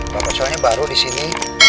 soalnya baru disini